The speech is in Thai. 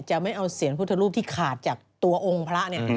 ไม่เอาเสียงพุทธรูปที่ขาดจากตัวองค์พระเนี่ย